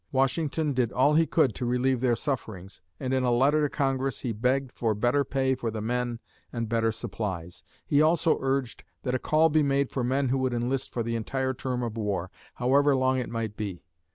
Washington did all he could to relieve their sufferings, and in a letter to Congress, he begged for better pay for the men and better supplies. He also urged that a call be made for men who would enlist for the entire term of war, however long it might be.